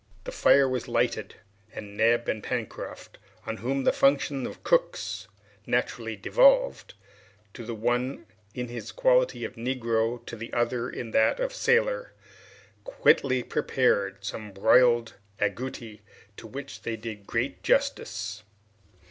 The fire was lighted, and Neb and Pencroft, on whom the functions of cooks naturally devolved, to the one in his quality of Negro, to the other in that of sailor, quickly prepared some broiled agouti, to which they did great justice.